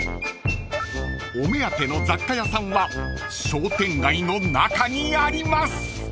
［お目当ての雑貨屋さんは商店街の中にあります］